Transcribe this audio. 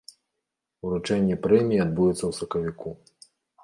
Уручэнне прэміі адбудзецца ў сакавіку.